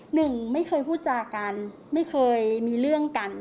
หนึ่งไม่เคยพูดจากันไม่เคยมีเรื่องกัน